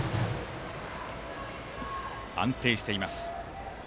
安定しています。